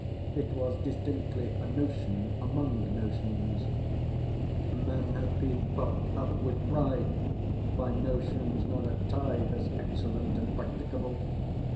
It was distinctly a Notion among notions. Men had been puffed up with pride by notions not a tithe as excellent and practicable.